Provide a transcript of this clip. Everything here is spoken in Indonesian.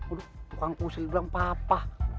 aduh tukangku usir bilang papa